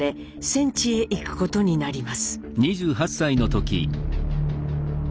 戦地へ行くことになります。